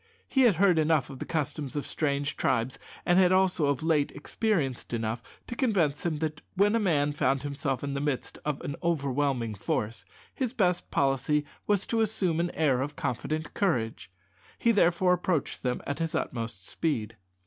He had heard enough of the customs of savage tribes, and had also of late experienced enough, to convince him that when a man found himself in the midst of an overwhelming force, his best policy was to assume an air of confident courage. He therefore approached them at his utmost speed.